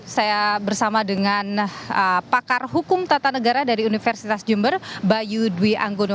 saya bersama dengan pakar hukum tata negara dari universitas jember bayu dwi anggono